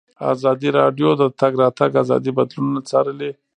ازادي راډیو د د تګ راتګ ازادي بدلونونه څارلي.